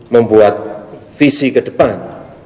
membuat visi ke depan